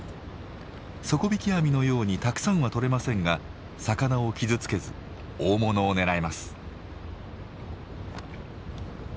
底引き網のようにたくさんは獲れませんが魚を傷つけず大物を狙えます。